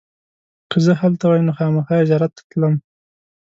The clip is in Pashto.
که زه هلته وای نو خامخا یې زیارت ته تلم.